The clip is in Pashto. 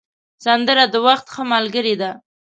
سندره د وخت ښه ملګرې ده